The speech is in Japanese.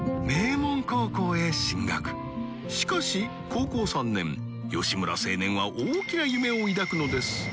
名門高校へ進学しかし高校３年搬疾椎大きな夢を抱くのです